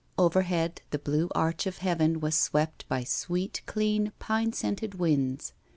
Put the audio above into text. Overhead the blue arch of heaven was swept by sweet, clean, pine scented winds.